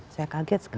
saya kaget sekarang